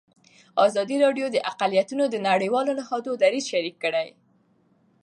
ازادي راډیو د اقلیتونه د نړیوالو نهادونو دریځ شریک کړی.